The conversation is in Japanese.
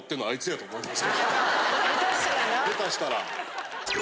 下手したらな。